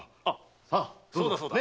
そうだそうだ！